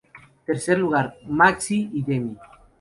Tercer lugar: Maxi y Demi.